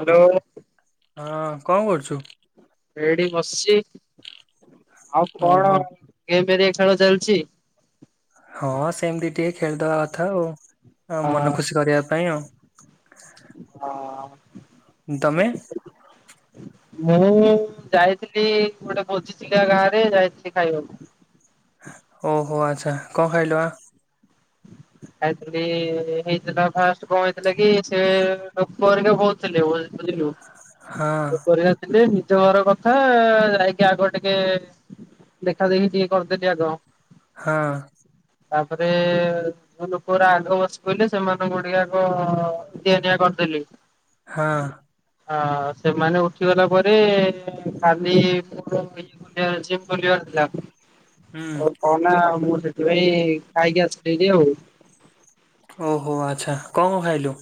Hello. ହଁ କଣ କରୁଛୁ? ଏଇଠି ବସିଛି ଆଉ କଣ ଓହୋ କେମେରିଆ ଖେଳ ଚାଲିଛି। ହଁ ସେମତି ଟିକେ ଖେଳିଦବା କଥା ଆଉ ମନ ଖୁସି କରିବା ପାଇଁ ଆଉ। ହଁ। ତମେ? ମୁଁ ଯାଇଥିଲି ଗୋଟେ ଭୋଜିଥିଲି ଗାଁରେ ଯାଇଥିଲି ଖାଇବାକୁ। ଓହୋ ଆଚ୍ଛା! କଣ ଖାଇଲ? ଖାଇଥିଲି ହେଇଥିଲା ଫାଷ୍ଟ କଣ ହେଇଥିଲା କି ସେ ଲୋକହେରିକ ବହୁତ ହଁ [inaudible] ନିଜ ଘର କଥା ଯାଇକି ଆଗ ଟିକେ ଦେଖା ଦେଖି ଟିକେ କରିଦେଲି ଆଗ। ହଁ। ତାପରେ। ଯୋଉ ଲୋକର ଆଗ ବସି କଲେ ସେମାନଙ୍କୁ ଟିକେ ଆଗ ଦିଆନିଆ କରିଦେଲି। ହଁ ହଁ ସେମାନେ ଉଠିଗଲା ପରେ ଖାଲି ଯିଏ ଖୋଲିବାର ଥିଲା। ହୁଁ ଆଉ କହନା ମୁଁ ସେଥିପାଇଁ ଖାଇକି ଆସଥିଲି ଆଉ ଓହୋ ଆଚ୍ଛା, କଣ କଣ ଖାଇଲୁ?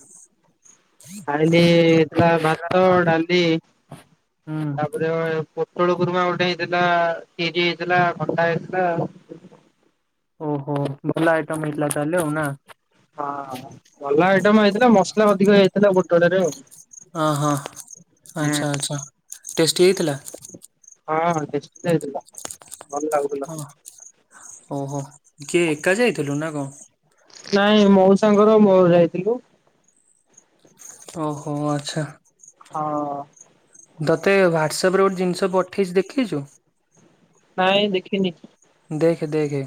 ଖାଇଲି ହେଇଥିଲା ଭାତ, ଡାଲି, ହୁଁ ଶା ଗ ପୋଟଳ ଗୁରୁମା ଗୋଟେ ହେଇଥିଲା, କିଜି ହେଇଥିଲା, କଟା ହେଇଥିଲା ଆଉ ଓହୋ ଭଲ ଆଇଟମ ହେଇଥିଲା ତାହାଲେ ନା ହଁ ଭଲ ଆଇଟମ ହେଇଥିଲା ମସଲା ଅଧିକ ହେଇଥିଲା ପୋଟଳ ରେ ଆଉ। ଅ ହଁ ଆଚ୍ଛା ଆଚ୍ଛା ଟେଷ୍ଟି ହେଇଥିଲା? ହଁ ଟେଷ୍ଟି ତ ହେଇଥିଲା, ଭଲ ଲାଗୁଥିଲା। ହଁ ଓହୋ କିଏ ଏକା ଯାଇଥିଲୁ ନା କଣ? ନାଇଁ ମଉସାଙ୍କର ମୋର ଯାଇଥିଲୁ। ଓହୋ ଆଚ୍ଛା ହଁ ତତେ ହ୍ୱାଟସପ ରେ ଗୋଟେ ଜିନିଷ ପଠେଇଛି ଦେଖିଛୁ? ନାଇଁ ଦେଖିନି। ଦେଖ ଦେଖେ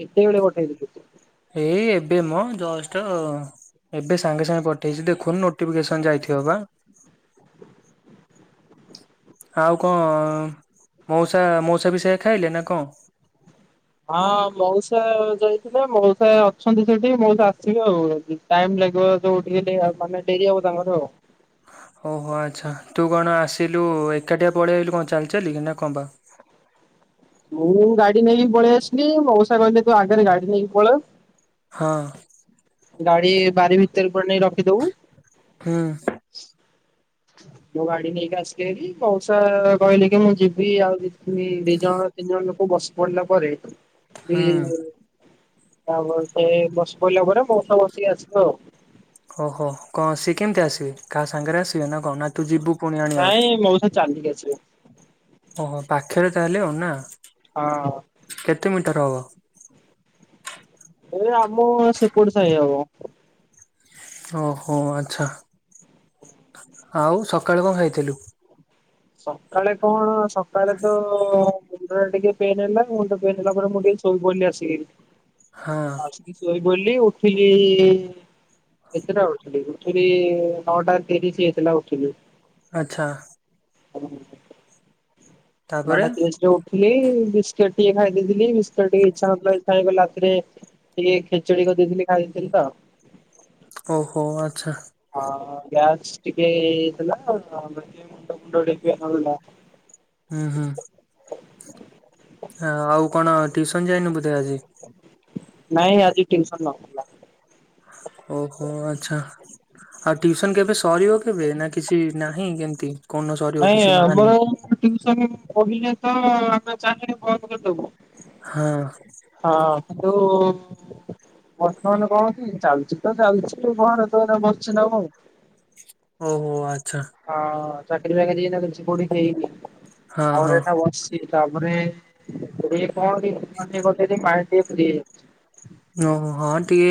କେତେବେଳେ ପଠେଇଥିଲୁ ତୁ? ଏଇ ଏବେ ମ ଜଷ୍ଟ ଏବେ ସାଙ୍ଗେ ସାଙ୍ଗେ ପଠେଇଛି ଦେଖୁନୁ ନୋଟିଫିକେସନ ଯାଇଥିବ ବା ଆଉ କଣ ମଉସା ମଉସା ବି ସେ ଖାଇଲେ ନା କଣ? ହଁ ମଉସା ଯାଇଥିଲେ ମଉସା ଅଛନ୍ତି ସେଠି ମଉସା ଆସିବେ ଆଉ ଟାଇମ ଲାଗିବ ଯୋଉ ଟିକେ ଟି ମାନେ ଡେରି ହବ ତାଙ୍କର ଆଉ ଓହୋ ଆଛା ତୁ କଣ ଆସିଲୁ ଏକାଠିଆ ପଳେଇ ଆଲୁ କଣ ଚାଲି ଚାଲି ନା କଣ ପା ମୁଁ ଗାଡି ନେଇକି ପଳେଇ ଆସିଲି, ମଉସା କହିଲେ ତୁ ଆଗରେ ଗାଡି ନେଇକି ପଳ ହଁ ଗାଡି ବାରି ଭିତରେ ପଟ ନେଇ ରଖିଦବୁ ହୁଁ ମୁଁ ଗାଡି ନେଇକି ଆସିକି ଭାରି ମଉସା କହିଲେ କି ମୁଁ ଯିବି ଆଉ ଦି ଜଣ ତିନି ଜଣ ଲୋକ ବସି ପଡିଲା ପରେ ହୁଁ ତାପରେ ସେ ବସି ପିଡିଲା ପରେ ମଉସା ବସିକି ଆସିବେ ଆଉ ଓହୋ କଣ ସେ କେମତି ଆସିବେ କାହା ସାଙ୍ଗରେ ଆସିବେ ନା କଣ ନା ତୁ ଯିବୁ ପୁଣି ଆଣିବାକୁ, ନାଇଁ ମଉସା ଚାଲିକି ଆସିବେ ଓହୋ ପାଖରେ ତାହେଲେ ନା? ହଁ କେତେ ମିଟର ହବ? ଏ ଆମ ସେପଟ ସାହି ହବ। ଓହୋ ଆଚ୍ଛା। ଆଉ ସକାଳେ କଣ ଖାଇଥିଲୁ? ସକାଳେ କଣ ସକାଳେ ତ ମୁଣ୍ଡରେ ଟିକେ ପେନ ହେଲା ମୁଣ୍ଡ ତ ପେନ୍ ହେଲା ପରେ ମୁଁ ଟିକେ ସୋଇପଡ଼ିଲି ଆସିକି। ହଁ ଆସିକି ଶୋଇପଡ଼ିଲି ଉଠିଲି କେତେଟବେଳେ ଉଠଥିଲୁ? ଉଠଥଲି ନଅଟା ତିରିଶ ହେଇଥିଲା ଉଠଥିଲି ଆଚ୍ଛା [inaudible] ତାପରେ ନଅଟା ତିରିଶ ରେ ଉଠିଲି ବିସ୍କେଟ ଟିକେ ଖାଇ ଦେଇଥିଲି। ବିସ୍କଟ୍ ଟିକେ ଇଚ୍ଛା [unintelligible] ରାତିରେ ଟିକେ ଖେଚଡି କରିଦେଇଥିଲି ଖାଇ ଦେଇଥିଲି ତ। ଓହୋ ଆଚ୍ଛା। ହଁ ଗ୍ୟାସ୍ ଟିକେ ହେଇ ଯାଇଥିଲା [unintelligible] ହୁଁ ହୁଁ। ଆଉ କଣ ଟିଉସନ ଯାଇନୁ ବୋଧେ ଆଜି? ନାଇଁ ଆଜି ଟିଉସନ [unintelligible] ଓହୋ ଆଚ୍ଛା ଆଉ ଟିଉସନ କେବେ ସରିବ କେବେ ନା କିଛି ନାହିଁ କେମିତି କୋଉ ଦିନ ସରିବ ନାଇଁ କିଛି ଆମର ବାହାରିନି। ଟିଉସନ କହିଲେ ତ ଆମେ ଚାହିଲେ ବନ୍ଦ କରିଦବୁ। ହଁ। ହଁ କିନ୍ତୁ ବର୍ତ୍ତମାନ କଣ କି ଚାଲିଛି ତ ଚାଲିଛି କଣ ଏ ତ ବସିଛି ନା କଣ। ଓହୋ ଆଚ୍ଛା। ହଁ ଚାକିରି ବାକିରି ଏଇନା ତ କିଛି କୋଉଠି ହେଇନି ହଁ ହଁ ଆଉ [unintelligible] ତାପରେ ଗେ କଣ କି ସେ ଗୋଟେ ମାଇଣ୍ଡ ଟିକେ ଫ୍ରୀ ହେଇଯାଉଛି। ଓହୋ ହଁ ଟିକେ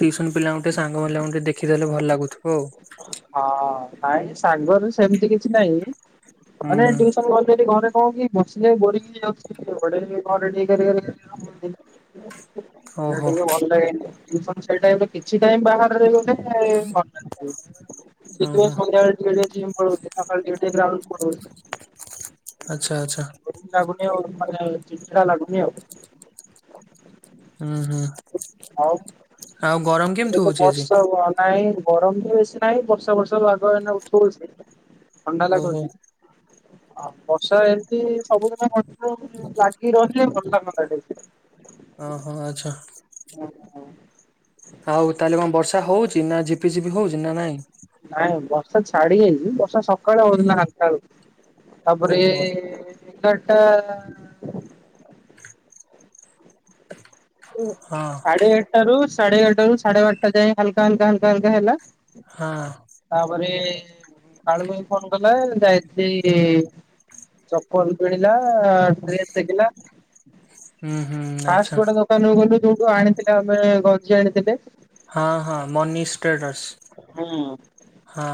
ଟିଉସନ ପିଲାଙ୍କୁ ଟିକେ ସାଙ୍ଗମାନଙ୍କୁ ଟିକେ ଦେଖିଦେଲେ ଭଲ ଲାଗୁଥିବ ଆଉ। ହଁ ନାଇଁ ସାଙ୍ଗରେ ସେମିତି କିଛି ନାହିଁ। ହୁଁ ମାନେ ହୁଁ ଟିକେ ସମୟ ଘରୁ ଯାଇକି ଘରେ କଣ କି ବସିଲେ ବୋରିଂ ହେଇଯାଉଛି ଏପଟେ ଘରେ ଟିକେ ଗେରେ ଗେରେ ସେଇଟା ଓହୋ ଟିକେ ଭଲ ଲାଗେନି। [unintelligible] କିଛି ଟାଇମ ବାହାରେ ବୁଲେ [inaudible] ସେଥିପାଇଁ ଓହୋ ସନ୍ଧ୍ୟାବେଳେ ଟିକେ ଟିକେ ଜିମ ପଳଉଛି। ସକାଳେ ଟିକେ ଟିକେ ଗ୍ରାଉଣ୍ଡ ପଳଉଛି। ଆଚ୍ଛା ଆଚ୍ଛା। ଲାଗୁନି ଆଉ ମାନେ ଚିଡ୍ ଚିଡା ଲାଗୁନି ଆଉ। ହୁଁ ହୁଁ। ଆଉ ଆଉ ଗରମ ଏବେ କେମିତି ତ ହଉଛି ଆଜି? ବର୍ଷା ହବ ନାଇଁ ଗରମ ବି ବେଶୀ ନାହିଁ ବର୍ଷା ବର୍ଷା ପାଗ ଏଇନା ଉଠଉଛି ଥଣ୍ଡା ଓହୋ ଲାଗୁଛି। ଆଉ ବର୍ଷା ଏମିତି ସବୁଦିନ କଣ୍ଟିନ୍ୟୁ ଲାଗି ରହିଲେ ଭଲ ଲାଗନ୍ତା ଟିକେ। ଓହୋ ଆଚ୍ଛା। ଓହୋ। ଆଉ ତାହେଲେ କଣ ବର୍ଷା ହଉଛିି ନା ଝିପି ଝିପି ହଉଛିି ନା ନାଇଁ? ନାଇଁ ବର୍ଷା ଛାଡି ଯାଇଛି ବର୍ଷା ସକାଳେ ହଉଥିନା ଆଠଟା ବେଳକୁ ତାପରେ ଓହୋ ଏଗାରଟା [unintelligible] ହଁ। ସାଢେ ଆଠଟାରୁ ସାଢେ ଏଗାରଟାରୁ ସାଢେ ବାରଟା ଯାଏ ହାଲକା ହାଲକା ହାଲକା ହାଲକା ହେଲା। ହଁ। ତାପରେ କାଳୁ ଭାଇ ଫୋନ କଲା ଯାଇଥିଲି ଚପଲ କିଣିଲା, ଡ୍ରେସ ଦେଖିଲା। ହୁଁ ହୁଁ ଫାଷ୍ଟ ଆଚ୍ଛା ଗୋଟେ ଦୋକାନକୁ ଗଲୁ ଯୋଉଠୁ ଆଣିଥିଲେ ଆମେ ଗଞ୍ଜି ଆଣିଥିଲେ। ହଁ ହଁ ମନିସ ହୁଁ ଟ୍ରେଡର୍ସ ହଁ।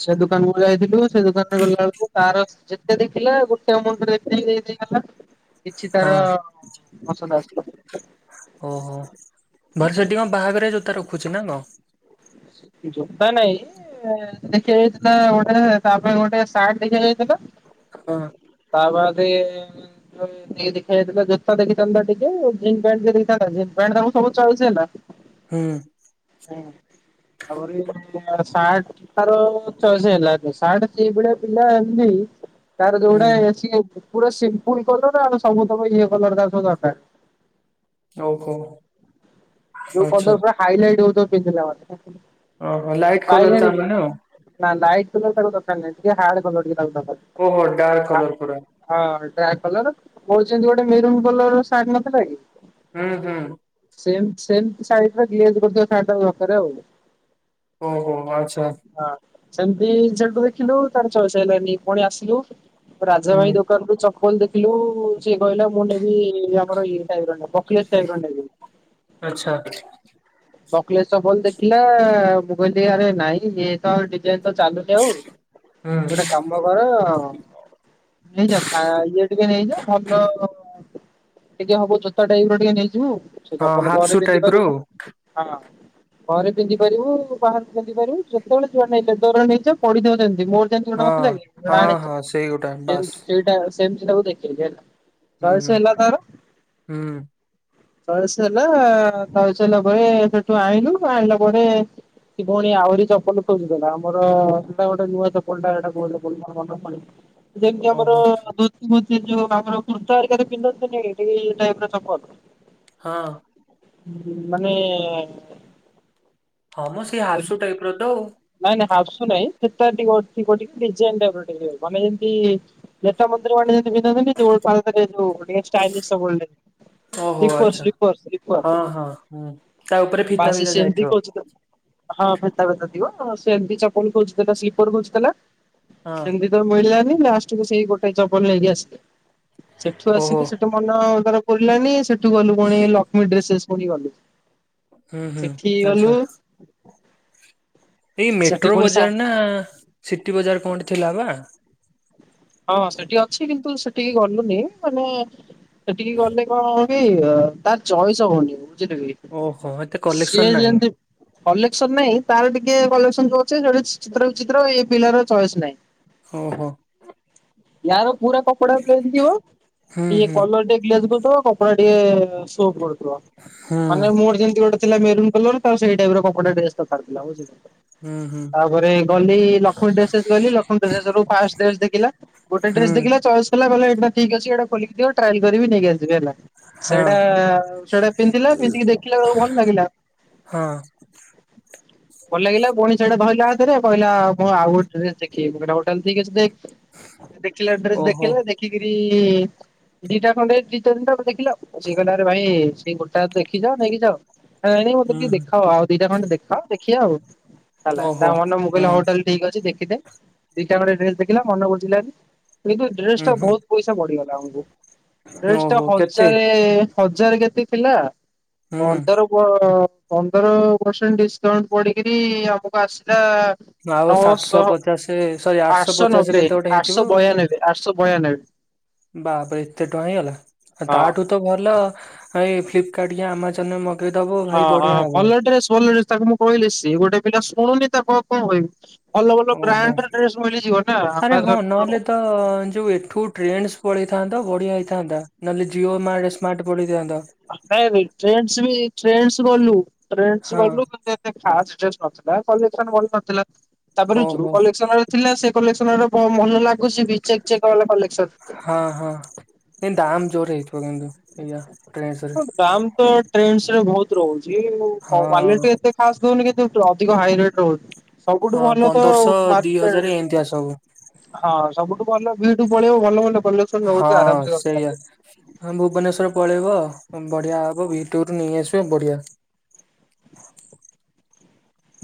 ସେ ଦୋକାନକୁ ଯାଇଥିଲୁ। ସେ ଦୋକାନରେ ଗଲାବେଳକୁ ତାର ଯେତେ ଦେଖିଲା ଗୋଟେ ମୁଣ୍ଡରେ [inaudible] ଦେଖି ହେଇ ଦେଇ ଗଲା। କିଛି ହଁ ତାର ପସନ୍ଦ ଆସିଲାନି। ଓହୋ। ବଟ [inaudible] ସେଠି କଣ ବାହାଘରିଆ ଜୋତା ର ଖୁଚି ନା କଣ? ଯୋତା ନାଇଁ ଦେଖିବାକୁ ଯାଇଥିଲା ଗୋଟେ ତାପାଇଁ ଗୋଟେ ସାର୍ଟ ଟାଏ କିଣା ଯାଇଥିଲା ହଁ ତା ବାଦେ ଦେଖା ଯାଇଥିଲା ଜୋତା ଦେଖିଥାନ୍ତା ଟିକେ ଜିନ୍ ପ୍ୟାଣ୍ଟ୍ ଟିକେ ଦେଖିଥାନ୍ତା ଜିନ୍ ପ୍ୟାଣ୍ଟ୍ ତାକୁ ସବୁ ଚଏସ୍ ହେଲା ହ [unintelligible] ହୁଁ। ହୁଁ। ତାର ଚ ଏସ୍ ହେଲାାନି ସାର୍ଟ ସେଇ ଭଳିଆ ପିଲା ଏମ୍ ତି ତାର ଯୋଉଟା ହୁଁ ସିଏ ପୁରା ସିମ୍ପୁଲ୍ କଲର୍ ଆଉ ସବୁ ତକ ଇଏ କଲର୍ ତାର ସବୁ ଦରକାର। ଓହୋ ଆଚ୍ଛା। ହାଇ ଲାଇଟ୍ ହଉଥିବ ପିନ୍ଧିଲା [inaudible] ଓହୋ ଲାଇଟ୍ କଲର୍ ବାଇଗଣୀ ତା ମାନେ ଆଉ। ନା ଲାଇଟ୍ କଲର୍ ତାକୁ ଦରକାର ନାଇଁ ଟିକେ ହାଡ କଲର୍ ଟିକେ ତାକୁ ଓହୋ ଡାର୍କ ଦରକାର ହା କଲର ପୁରା ହଁ ଡ୍ରା କଲର୍ ମୋର ଯେମ୍ ତି ଗୋଟେ ମେରୁନ୍ କଲର୍ ର ସାର୍ଟ ନଥିଲା କି ହୁଁ ହୁଁ। ସେମ୍ ସେମ୍ ତି ସାଇଡରେ ଗ୍ଲେଜ୍ କରୁଥିବା ସାଟ୍ ତାକୁ ଦରକାର ଆଉ। ଓହୋ ଆଚ୍ଛା। ହଁ ସେମ୍ ତି ସେଠୁ ଦେଖିଲୁ ତାର ଚଏସ୍ ହେଲାନି ପୁଣି ଆସ୍ ଲୁ ରାଜା ଭାଇ ହୁଁ ଦୋକାନକୁୁ ଚ ପଲ ଦେଖିଲୁ ସିଏ କହିଲା ମୁଁ ନେବି ଆମର ଇଏ ଟାଇପ୍ ର ନବ ବକ୍ ଲେସ୍ ଟାଇପ୍ ର ନେବି। ଆଚ୍ଛା। ବକ୍ ଲେସ୍ ଚପଲ ଦେଖିଲା ମୁଁ କହିଲି ଆରେ ନାଇଁ ଇଏ ତ ଆଉ ଡିଜାଇନ୍ ତ ଚାଲୁନି ଆଉ ହୁଁ ଗୋଟେ କାମ କର ନେଇଯା ପା ଇଏ ଟିକେ ନେଇଯା ଭଲ ଟିକେ ହବ ଜୋତା ଟାଇପ୍ ର ଟିକେ ନେଇଯିବୁ ସେ ହଁ ଚପଲ ହାଫ୍ ପରେ ସୁ ପିନ୍ଧି ଟାଇପ୍ ର ଆଉ। ପାରିବୁ। ଘରେ ପିନ୍ଧି ପାରିବୁ ବାହାରେ ପିନ୍ଧି ପାରିବୁ ଯେତବେଳେ ଯୁଆଡେ ନେଇଯା ଯୁଆଡେ ନେଇଯା ପଡ଼ିଥିବ ସେମ୍ ତି ମୋର ହଁ ଗଟେ ଲେ ହଁ ହଁ ଆଣିଥିଲୁ ସେଇ ଗୋଟା ବାସ୍। [inaudible] ସେଇଟା ସେମ୍ ତି ସେଇଟାକୁ ଦେଖେଇଲି ହୁଁ ହୁଁ ହେଲା ହୁଁ ଚଏସ୍ ହେଲା ତଏସ୍ ହେଲା ପରେ ସେଠୁ ଆଇଁଲୁ ଆଇଁଲା ପରେ ସେ ପୁଣି ଆହୁରି ଚପଲ ଖୋଜୁଥିଲା ମୋର ଥିଲା ଗୋଟେ ନୂଆ ଚପଲ ଟା ସେଟା [inaudible] ଯେମ୍ ତି ଆମର ଓହୋ [inaudible] ବୋଧେ ଯୋଉ ଆମର କୁର୍ତ୍ତା ଆରିକି ରେ ପିନ୍ଧନ୍ତି ନି ଟିକେ ଇଏ ଟାଇପ୍ ର ଚପଲ। ହଁ। ହୁଁ ମାନେ ହଁ ମ ସେଇ ହାଫସୁ ଟାଇପ୍ ର ତଉ। ନାଇଁ ନାଇଁ ହାପ୍ ସୁ ନାଇଁ ସେଟା ଥିବ ଟିକେ ଡିଜାଇନ୍ ଟାଇପ୍ ର ଟିକେ ମାନେ ଏମ୍ ତି ନେତା ମନ୍ତ୍ରୀ ମାନେ ଯେମ୍ ତି ପିନ୍ଧନ୍ତିନି ଯୋଉ [inaudible] ମନ୍ଦିରଣାଇବ ଯାଇଥିଲୁ ଟିକେ ଷ୍ଟାଇଲିସ୍ ସବୁବେଳେ। ଓହୋ ସ୍ଲିପର୍ ଆଚ୍ଛା ସ୍ଲିପର୍ ସ୍ଲିପର୍ ହଁ ହଁ ହୁଁ। ତା ଉପରେ ଫିତା ବାସ୍ ଫିତା ସେମ୍ ତି ଯାଇଥିବ କହୁଚି ତ। ହଁ ଫେତା ଫେତା ଥିବ ସେମ୍ ତି ଚପଲ ଖୋଜୁଥିଲା ସ୍ଲିପର୍ ଖୋଜୁଥିଲା ହଁ ସେମ୍ ତି ତ ମିଳିଲାନି ଲାଷ୍ଟ୍ କୁୁ ସେଇ ଗୋଟେ ଚପଲ ନେଇକି ଆସିଲା ସେଠୁ ଓହୋ ଆସିକି ସେଠୁ ମନ ତାର ପରିଲାନି, ସେଠୁ ଗଲୁ, ପୁଣି ଲକ୍ଷ୍ମୀ ଡ୍ରେସେସ୍ ପୁଣି ଗଲୁ। ହୁଁ ହୁଁ, ସେଠି ଗଲୁ ଆଚ୍ଛା ‌। ଏଇ ସେଠି ମେଟ୍ରୋ ପୁଣି ସା ବଜାର ନା ସିଟି ବଜାର, କଣଟେ ଥିଲା ବା? ହଁ, ସେଠି ଅଛି, କିନ୍ତୁ ସେଠିକି ଗଲୁନି। ମାନେ, ସେଠିକି ଗଲେ କଣ? [unintelligible] ତାର ଚଏସ ହଉନି, ବୁଝିଲେ କି? ଓହୋ, ଏତେ ସିଏ କଲେକ୍ସନ ନାହିଁ। ଯେମିତି କଲେକ୍ସନ ନାହିଁ। ତାର ଟିକେ କଲେକ୍ସନ ଯୋଉ ଅଛି, ସେଟି ଚିତ୍ର ବିଚିତ୍ର। ଏ ପିଲାର ଚଏସ୍ ନାହିଁ। ହଉ, ହୋ। ୟାର ପୁରା କପଡାର ପ୍ଲେନ ଥିବ, ହୁଁ ଟିକେ ହୁଁ କଲର ଟେ ଗ୍ଲେଜ କରୁଥିବ। ହୁଁ [unintelligible] ଥିଲା ମେରୁନ୍ କଲର ସେଇ ଟାଇପ୍ ର। କପଡ଼ାର ଡ୍ରେସ ଦରକାର ଥିଲା, ବୁଝିଲ ତାପରେ? ହୁଁ ହୁଁ। ଗଲି ଲକ୍ଷ୍ମୀ ଡ୍ରେସେସ୍ ଗଲି। ଲକ୍ଷ୍ମି ଡ୍ରେସ ରୁ ଫାଷ୍ଟ ଡ୍ରେସ ଦେଖିଲା। ଗୋଟେ ହୁଁ ଡ୍ରେସ ଦେଖିଲ ଚଏସ୍ ହେଲା, ଗଲେ ଏଇଟା ଠିକ୍ ଅଛି। ଏଟା ଖୋଲିକି ଦିଅ, ଟ୍ରାଏଲ କରି ନେଇକି ଆସେ ହେଲା। ହଁ ସେଇଟା ସେଇଟା ପିନ୍ଧିଲା ପିନ୍ଧିକି ଦେଖିଲା ବେଳକୁ ଭଲ ଲାଗିଲା। ହଁ ଭଲ ଲାଗିଲା। ପୁଣି ସେଆଟା ଧଇଲା ହାତରେ କହିଲା, ମୁଁ ଆଉ ଗୋଟେ ଡ୍ରେସ୍ ଚେକ୍ [unintelligible] କହିଲା, ଟୋଟାଲି ଠିକ୍ ଅଛି, ଦେଖ୍। ଦେଖିଲା ଡ୍ରେସ୍ ଓହୋ ଦେଖିଲା, ଦେଖିକିରି ଦିଟା ଖଣ୍ଡେ ଦି ତିନି ଟା ଦେଖିଲା। ସେଇ କହିଲା, ଆରେ ଭାଇ, ସେଇ ଗୋଟା ଦେଖିଛ, ନେଇକି ଯାଅ। ନାଇଁ, ମୋତେ ହୁଁ ଟିକେ ହୁଁ ଦେଖ, ଆଉ ଦିଟା ଖଣ୍ଡେ ଦେଖାଅ, ଦେଖିବା। ଆଉ ହେଲା, ତା ଓହୋ ମନେ ତା ମୁଁ ହୁଁ। ଟୋଟାଲ୍ ଠିକ୍ ଅଛି, ଦେଖିେଦେ। ଦିଟା ଖଣ୍ଡେ ଡ୍ରେସ୍ ଦେଖିଲା, ମନ ବୁଝିଲାନି। କିନ୍ତୁ ଡ୍ରେସ୍ ହୁଁ ଟା ହୁଁ ବହୁତ ପଇସା ବଢିଗଲା ଆମକୁ। ଡ୍ରେସ୍ ଟା ଓହୋ କେତେ? ହଜାରେ ହଜାର କେତେ ଥିଲା, ହୁଁ ପନ୍ଦର କୁହ, ପନ୍ଦର ପରସେଣ୍ଟ ଡିସକାଉଣ୍ଟ ପଡିକରି ଆମକୁ ଆସିଲା ଆଉ ସାତଶହ ନଅଶହ ପଚାଶେ ସରି ଆଠଶହ ପଚାଶେ କେତେ ଗୋଟେ ହେଇ ଆଠଶହ ବୟାନବେ ଆଠଶହ ବୟାନବେ। ବାପରେ! ଏତେ ଟଙ୍କା ହେଇଗଲା, ହଁ। ତାଠୁ ତ ଭଲ ଏଇ ଫ୍ଲିପକାର୍ଟ ଆମାଜନରେ ମଗ ହଁ, ହଁ, ଭଲ ଡ୍ରେସ୍ ଭଲ ଡ୍ରେସ୍ ତାକୁ ମୁଁ କହିଲି। ସିଏ ଗୋଟେ ପିଲା, ଶୁଣୁନି। ତାକୁ ଆଉ କଣ କହିବି? ଭଲ ଭଲ ଓହୋ। ବ୍ରାଣ୍ଡ୍ ଡ୍ରେସ ମିଳିଯିବ ନା ଆରେ ହଁ ଆମାଜନ୍ ର? ନହେଲେ ତ ଯୋଉ ଏଠୁ ଟ୍ରେଣ୍ଡସ୍ ପଳେଇଥାନ୍ତ, ବଢିଆ ହେଇଥାନ୍ତା। ନହେଲେ ଜିଓମାର୍ଟ ସ୍ ମାର୍ଟ ପଳେଇଥାନ୍ତ। ନାଇଁ ଭାଇ, ଟ୍ରେଣ୍ଡସ୍ ବି ଟ୍ରେଣ୍ଡସ୍ ଗଲୁ ଟ୍ରେଣ୍ଡସ୍ ହଁ ଗଲୁ [inaudible] ଏତେ ଖାସ୍ ଡ୍ରେସ୍ ନଥିଲା। କଲେକ୍ସନ୍ ଭଲ ନଥିଲା। ତାପରେ ଯୋଉ ଓହୋ କଲେସନରେ ଥିଲା ସେ କଲେକ୍ସନ ରା ଭଲ ଲାଗୁଛି ବି। ଚେକ୍ ଚେକ୍ ବାଲା କଲେକ୍ସନ ହଁ, ହଁ, କିନ୍ତୁ ଦାମ ଜୋର ହେଇଥିବ କିନ୍ତୁ ଏୟା ଟ୍ରେଣ୍ଡସ୍ ରେ। ଦାମ ତ ଟ୍ରେଣ୍ଡସ୍ ରେ ବହୁତ ରହୁଛି, ହଁ। କ୍ୱଵାଲିଟି ଏତେ ଖାସ୍ ଦଉନି କିନ୍ତୁ ଅଧିକ ହାଇ ରେଟ୍ ରହୁଛି। ସବୁଠୁ ହଁ ଭଲ ତ ଆଉ ପନ୍ଦରଶହ ଦି ହଜାର ମାର୍କେଟ। ଏମିତିଆ ସବୁ ହଁ, ସବୁଠୁ ଭଲ ଭିଟୁ ପଳେଇବ, ଭଲ ଭଲ କଲେକ୍ସନ ହଁ ରହୁଚି, ସେଇଆ। ଆରାମସେ [unintelligible] ହଁ, ଭୁବନେଶ୍ଵର ପଳେଇବ, ବଢିଆ ହବ ଭି ଟୁରୁ ନେଇ ଆସିବା, ବଢିଆ।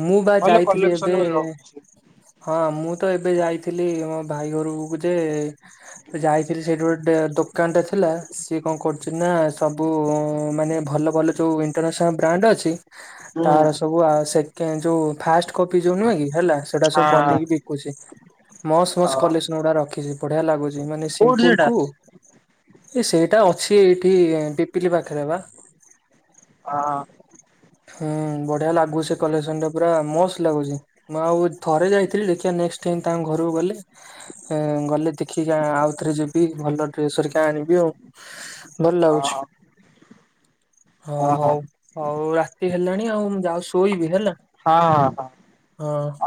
ମୁଁ ବା ଭଲ ଯାଇଥିଲି କଲେକ୍ସନ ବି ଏବେ-ଏ। ରହୁଛି ହଁ, ମୁଁ ତ ଏବେ ଯାଇଥିଲି, ମୋ ଭାଇ ଘରକୁକୁ ଯେ- ସେ ଯାଇଥିଲି ସେଇଠି ଗୋଟେ ଦୋକାନ ଟା ଥିଲା, ସିଏ କଣ କରୁଛି ନା ସବୁ ମାନେ ଭଲ ଭଲ ଯୋଉ ଇଣ୍ଟରନ୍ୟାସନାଲ୍ ବ୍ରାଣ୍ଡ ଅଛି। ହୁଁ ତାର ସବୁ ଆଉ ସେକେ ଯୋଉ ଫାଷ୍ଟ କପି ଯୋଉ ନୁହେଁ କି, ହେଲା ସେଟା ସବୁ ହଁ ବନେଇକି ବିକ୍ କୁଛି। ମସ୍ ମସ୍ ହଁ କଲେକ୍ସନ ଗୁଡା ରଖିଛି, ବଢିଆ ଲାଗୁଛି ମାନେ କୋଉଠି ସିମ୍ପୁଲ ସେଟା କୁ ଏ ସେଇଟା ଅଛି, ଏଇଠି ପିପିଲି ପାଖରେ ବା। ଆ। ହୁଁ, ବଢିଆ ଲାଗୁଚି, କଲେକ୍ସନ ଟା ପୁରା ମସ୍ତ ଲାଗୁଚି। ମୁଁ, ଆଉ ଥରେ ଯାଇଥିଲି, ଦେଖିବା ନେକ୍ସଟ୍ ଟାଇ ତାଙ୍କ ଘରକୁ ଗଲେ। ଗଲେ ଦେଖିକି, ଆଉଥରେ ଯିବି। ଭଲ ଡ୍ରେସେ ହେରିକା ଆଣିବି ଆଉ। ଭଲ ଲାଗୁଛି। ହଁ ହଁ, ହଉ ହଉ ରାତ୍ ରାତି ହେଲାଣି ଆଉ, ମୁଁ ଯାଉଚି ଶୋଇବି, ହେଲା ହଁ ହଁ ହଁ।